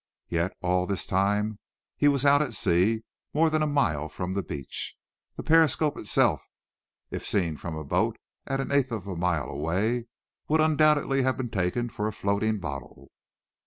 Yet, all this time, he was out at sea, more than a mile from the beach. The periscope itself, if seen from a boat an eighth of a mile away, would undoubtedly have been taken for a floating bottle.